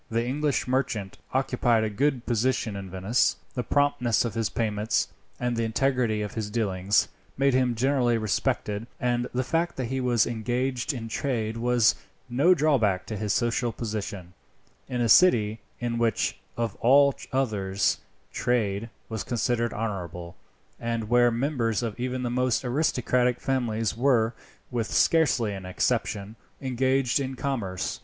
The English merchant occupied a good position in Venice. The promptness of his payments, and the integrity of his dealings, made him generally respected; and the fact that he was engaged in trade was no drawback to his social position, in a city in which, of all others, trade was considered honourable, and where members of even the most aristocratic families were, with scarcely an exception, engaged in commerce.